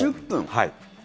はい。